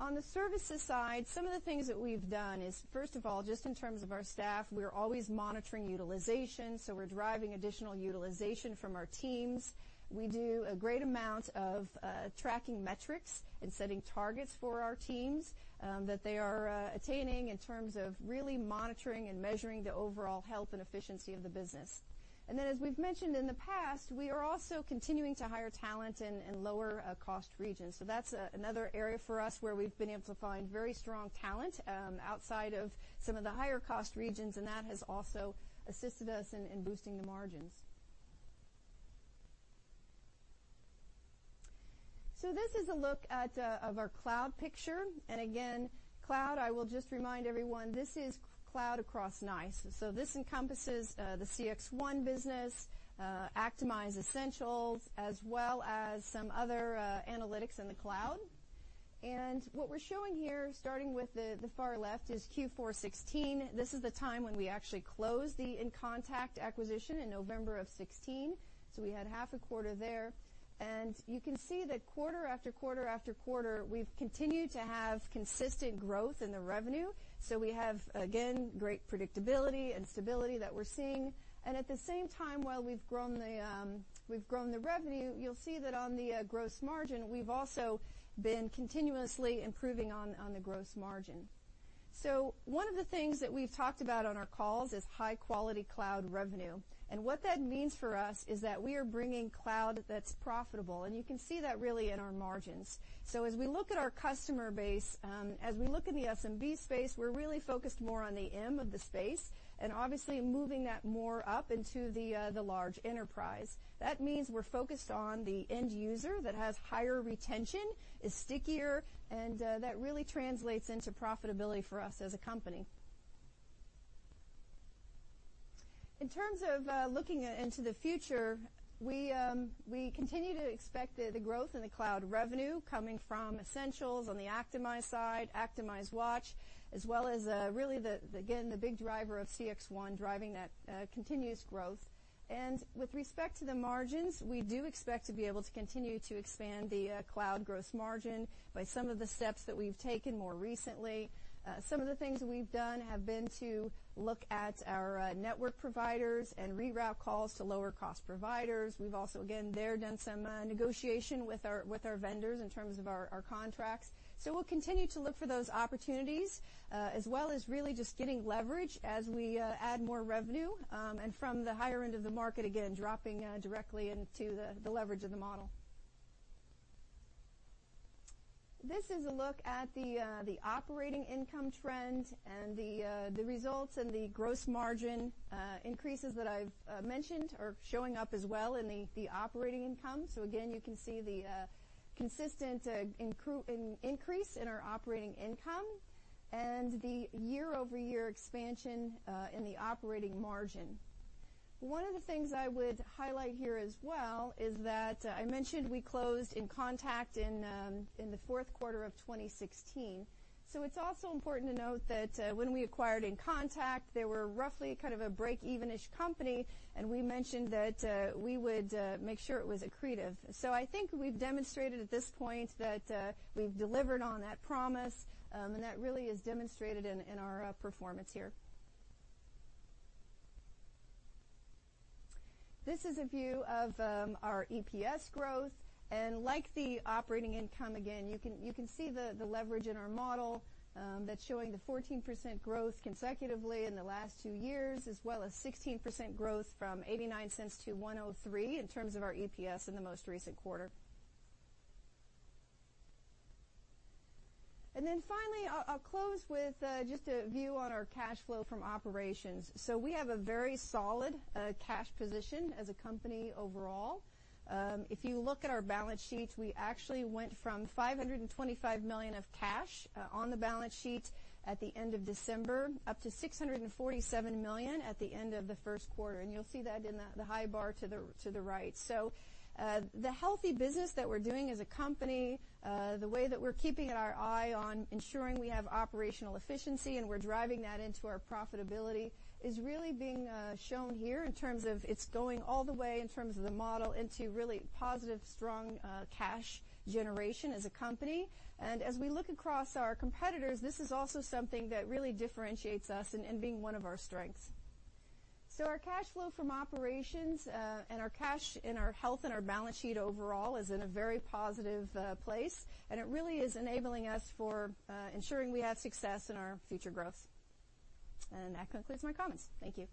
On the services side, some of the things that we've done is, first of all, just in terms of our staff, we're always monitoring utilization, so we're driving additional utilization from our teams. We do a great amount of tracking metrics and setting targets for our teams that they are attaining in terms of really monitoring and measuring the overall health and efficiency of the business. As we've mentioned in the past, we are also continuing to hire talent in lower cost regions. That's another area for us where we've been able to find very strong talent outside of some of the higher cost regions, and that has also assisted us in boosting the margins. This is a look at of our cloud picture. Again, cloud, I will just remind everyone, this is cloud across NICE. This encompasses the CXone business, Actimize Essentials, as well as some other analytics in the cloud. What we're showing here, starting with the far left, is Q4 2016. This is the time when we actually closed the inContact acquisition in November of 2016. We had half a quarter there. You can see that quarter after quarter after quarter, we've continued to have consistent growth in the revenue. We have, again, great predictability and stability that we're seeing. At the same time, while we've grown the revenue, you'll see that on the gross margin, we've also been continuously improving on the gross margin. One of the things that we've talked about on our calls is high-quality cloud revenue. What that means for us is that we are bringing cloud that's profitable, and you can see that really in our margins. As we look at our customer base, as we look in the SMB space, we're really focused more on the M of the space and obviously moving that more up into the large enterprise. That means we're focused on the end user that has higher retention, is stickier, and that really translates into profitability for us as a company. In terms of looking into the future, we continue to expect the growth in the cloud revenue coming from Essentials on the Actimize side, ActimizeWatch, as well as really the again, the big driver of CXone driving that continuous growth. With respect to the margins, we do expect to be able to continue to expand the cloud gross margin by some of the steps that we've taken more recently. Some of the things we've done have been to look at our network providers and reroute calls to lower cost providers. We've also, again, there done some negotiation with our vendors in terms of our contracts. We'll continue to look for those opportunities, as well as really just getting leverage as we add more revenue, and from the higher end of the market, again, dropping directly into the leverage of the model. This is a look at the operating income trend and the results and the gross margin increases that I've mentioned are showing up as well in the operating income. Again, you can see the consistent increase in our operating income and the year-over-year expansion in the operating margin. One of the things I would highlight here as well is that I mentioned we closed inContact in the fourth quarter of 2016. It's also important to note that, when we acquired inContact, they were roughly kind of a break-even-ish company, and we mentioned that we would make sure it was accretive. I think we've demonstrated at this point that we've delivered on that promise, and that really is demonstrated in our performance here. This is a view of our EPS growth. Like the operating income, again, you can see the leverage in our model, that's showing the 14% growth consecutively in the last two years, as well as 16% growth from $0.89 to $1.03 in terms of our EPS in the most recent quarter. Then finally, I'll close with just a view on our cash flow from operations. We have a very solid cash position as a company overall. If you look at our balance sheets, we actually went from $525 million of cash on the balance sheet at the end of December, up to $647 million at the end of the first quarter, and you'll see that in the high bar to the right. The healthy business that we're doing as a company, the way that we're keeping our eye on ensuring we have operational efficiency and we're driving that into our profitability, is really being shown here in terms of it's going all the way in terms of the model into really positive, strong cash generation as a company. As we look across our competitors, this is also something that really differentiates us in being one of our strengths. Our cash flow from operations, and our cash and our health and our balance sheet overall is in a very positive place, and it really is enabling us for ensuring we have success in our future growth. That concludes my comments. Thank you.